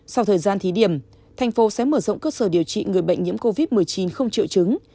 sau thời gian thí điểm thành phố sẽ mở rộng cơ sở điều trị người bệnh nhiễm covid một mươi chín không triệu chứng